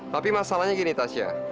tapi masalahnya gini tasya